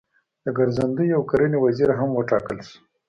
د ګرځندوی او کرنې وزیر هم وټاکل شول.